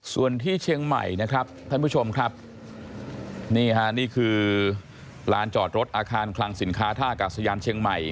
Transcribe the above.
ส่วนที่เชียงใหม่นะครับท่านผู้ชมครับนี่ฮะนี่คือลานจอดรถอาคารคลังสินค้าท่ากาศยานเชียงใหม่